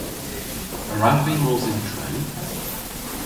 A wrav vy mos yn tren?